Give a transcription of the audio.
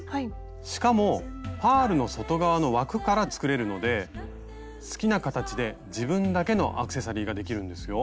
しかもパールの外側の枠から作れるので好きな形で自分だけのアクセサリーができるんですよ。